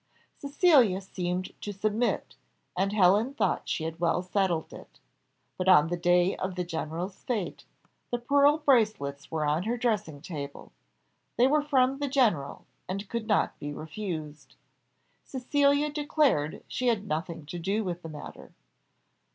Cecilia seemed to submit, and Helen thought she had well settled it. But on the day of the general's fête, the pearl bracelets were on her dressing table. They were from the general, and could not be refused. Cecilia declared she had nothing to do with the matter.